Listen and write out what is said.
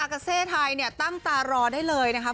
กาเซไทยเนี่ยตั้งตารอได้เลยนะครับ